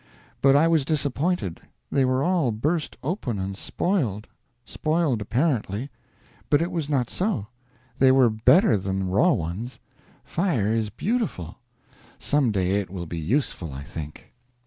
But I was disappointed; they were all burst open and spoiled. Spoiled apparently; but it was not so; they were better than raw ones. Fire is beautiful; some day it will be useful, I think.